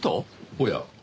おや。